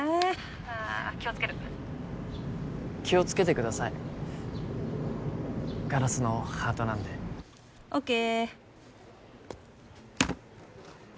☎あ気をつける気をつけてくださいガラスのハートなんでオッケー